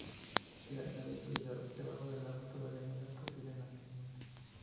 El lanzamiento desde debajo del agua todavía no era posible en aquel momento.